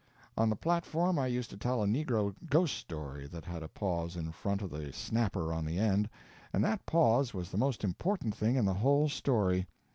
On the platform I used to tell a negro ghost story that had a pause in front of the snapper on the end, and that pause was the most important thing in the whole story.